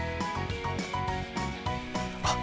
あっ！